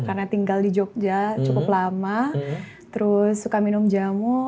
karena tinggal di jogja cukup lama terus suka minum jamu